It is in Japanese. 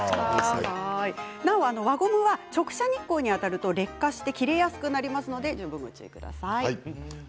輪ゴムは直射日光に当たると劣化して切れやすくなりますので十分ご注意ください。